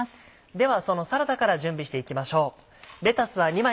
ではそのサラダから準備していきましょう。